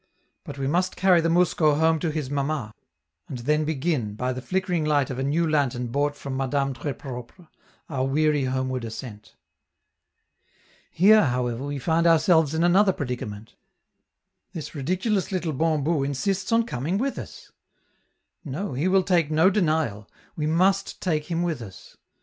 But we must carry the mousko home to his mamma, and then begin, by the flickering light of a new lantern bought from Madame Tres Propre, our weary homeward ascent. Here, however, we find ourselves in another predicament: this ridiculous little Bambou insists upon coming with us! No, he will take no denial, we must take him with us.